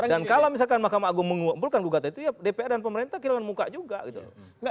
dan kalau misalkan mahkamah agung mengumpulkan gugat itu ya dpr dan pemerintah kira kira muka juga